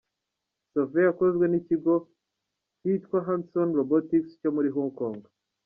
Sophia yakozwe n’ikigo cyitwa Hanson Robotics cyo muri Hong Kong.